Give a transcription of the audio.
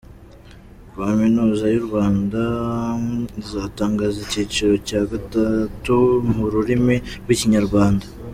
Kaminuza y'u Rwanda izatangiza icyiciro cya gatatu mu rurimi rw'ikinyarwanda.